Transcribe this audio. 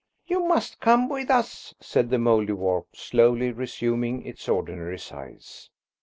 "You must come with us," said the Mouldiwarp, slowly resuming its ordinary size.